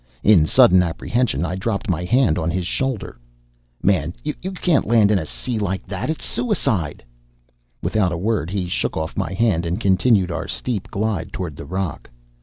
In sudden apprehension, I dropped my hand on his shoulder. "Man, you can't land in a sea like that! It's suicide!" Without a word, he shook off my hand and continued our steep glide toward the rock.